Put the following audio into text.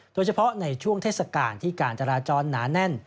โดยเฉพาะในช่วงเทศกาลที่การจราจรหนาแน่น